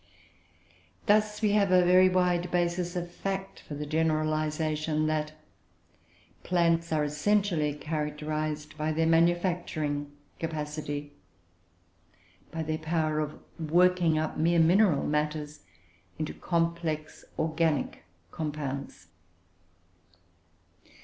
Thus we have a very wide basis of fact for the generalisation that plants are essentially characterised by their manufacturing capacity by their power of working up mere mineral matters into complex organic compounds.